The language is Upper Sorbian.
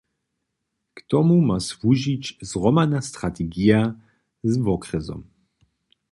K tomu ma słužić zhromadna strategija z wokrjesom.